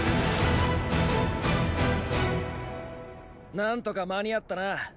何とか間に合ったな。